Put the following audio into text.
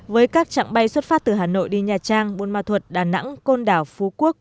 với các trạng bay xuất phát từ hà nội đi nhà trang buôn ma thuật đà nẵng côn đảo phú quốc